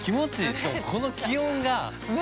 しかも、この気温が。